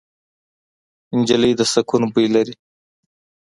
نجلۍ د سکون بوی لري.